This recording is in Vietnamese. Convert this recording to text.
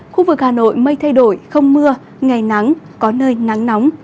khu vực hà nội mây thay đổi không mưa ngày nắng có nơi nắng nóng